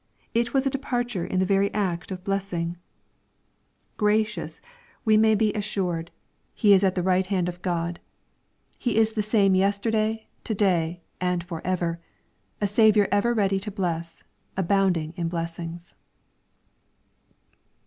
. It was a departure in the very act of blessing I Gracious, we may beassured 526 EXPOSITORY THOUQHTS. He is at the right hand of God. He is the same yesterday, to da}", and for ever,— a Saviour ever ready to bless, abounding in blessings.